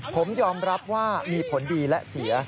ผมยอมรับว่ามีผลดีและเสีย